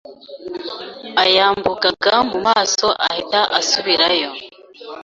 ayambugaga mu maso ahita asubirayo